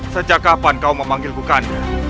sejak kapan kau memanggil bukannya